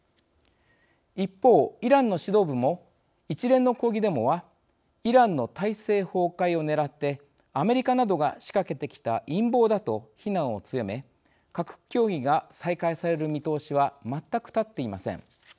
一方、イランの指導部も一連の抗議デモは「イランの体制崩壊をねらってアメリカなどが仕掛けてきた陰謀だ」と非難を強め核協議が再開される見通しは全く立っていません。